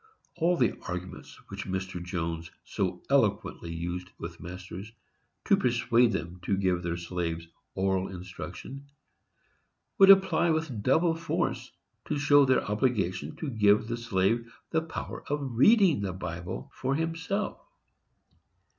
All the arguments which Mr. Jones so eloquently used with masters, to persuade them to give their slaves oral instruction, would apply with double force to show their obligation to give the slave the power of reading the Bible for himself.